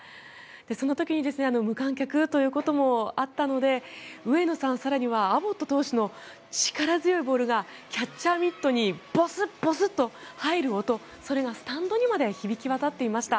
その時に無観客ということもあったので上野さん、更にはアボット投手の力強いボールがキャッチャーミットにボスッ、ボスッと入る音それがスタンドにまで響き渡っていました。